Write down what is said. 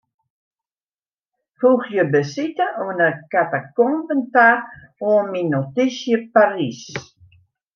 Foegje besite oan 'e katakomben ta oan myn notysje Parys.